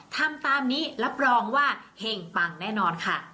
ทำตามนี้รับรองว่าเห็งปังแน่นอนค่ะ